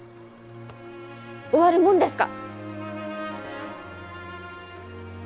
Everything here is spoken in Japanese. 終わるもんですか！